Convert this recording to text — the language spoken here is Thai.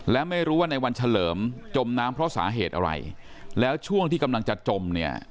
และไม่รู้ว่าในวันเฉลิมจมน้ำเพราะสาเหตุอะไรแล้วช่วงที่กำลังจะจมเนี่ย